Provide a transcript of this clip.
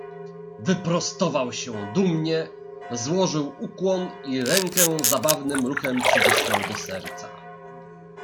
"Wyprostował się dumnie, złożył ukłon i rękę zabawnym ruchem przycisnął do serca."